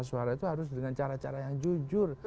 suara itu harus dengan cara cara yang jujur